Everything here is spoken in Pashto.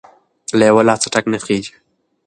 ـ له يوه لاسه ټک نخيژي.